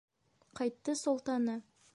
Ҡайтты Солтаны.